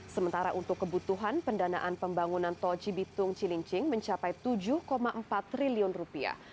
sementara untuk kebutuhan pendanaan pembangunan tol cibitung cilincing mencapai tujuh empat triliun rupiah